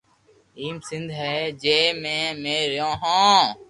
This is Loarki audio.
ايڪ سندھ ھي جي ۾ مي رھيو ھون